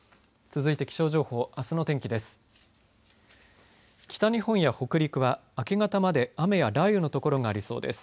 続いて気象情報あすの天気です。